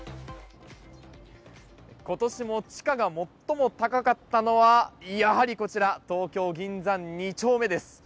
ことしも地価が最も高かったのはやはりこちら、東京・銀座２丁目です。